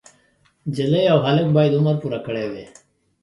نجلۍ او هلک باید عمر پوره کړی وای.